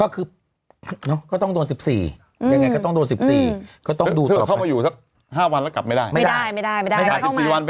คุณก็ต้องอยู่ต่อการศิลป์